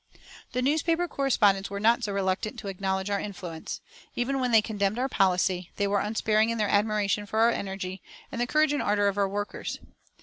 The newspaper correspondents were not so reluctant to acknowledge our influence. Even when they condemned our policy, they were unsparing in their admiration for our energy, and the courage and ardour of our workers.